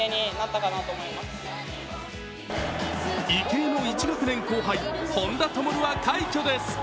池江の１学年後輩、本多灯は快挙です。